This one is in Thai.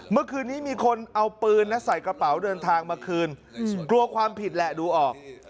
เมื่อคืนนี้มีคนเอาปืนใส่กระเป๋าเดินทางมาคืนกลัวความผิดแหละดูออก